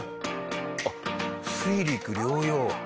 あっ水陸両用？